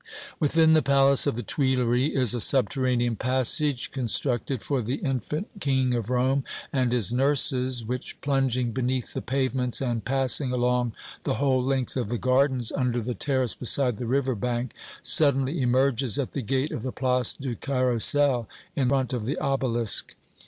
Within the Palace of the Tuileries is a subterranean passage, constructed for the infant King of Rome and his nurses, which, plunging beneath the pavements, and passing along the whole length of the gardens, under the terrace beside the river bank, suddenly emerges at the gate of the Place du Carrousel, in front of the obelisk.